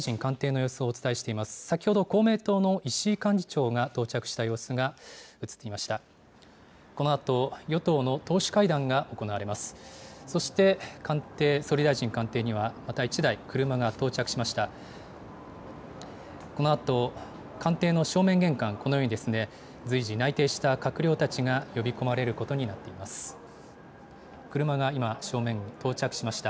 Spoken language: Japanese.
先ほど、公明党の石井幹事長が到着した様子が映っていました。